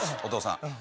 お義父さん